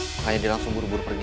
makanya dia langsung buru buru pergi